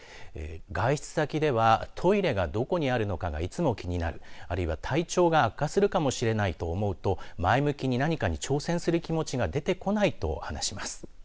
外出先ではトイレはどこにあるのかがいつも気になるあるいは体調が悪化するかもしれないと思うと前向きに何かに挑戦する気持ちが出てこないと話します。